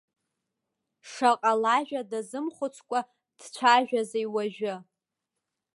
Шаҟа лажәа дазымхәыцкәа дцәажәазеи уажәы.